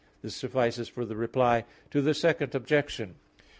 This suffices for the Reply to the Second Objection.